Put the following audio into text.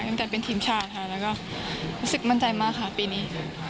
ตั้งแต่เป็นทีมชาติค่ะแล้วก็รู้สึกมั่นใจมากค่ะปีนี้